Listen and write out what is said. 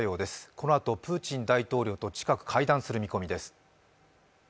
このあとプーチン大統領と近く会談する見込みです。